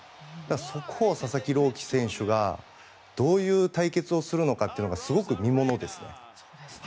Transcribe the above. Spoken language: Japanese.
そこを佐々木朗希選手がどういう対決をするのかがすごく見ものですね。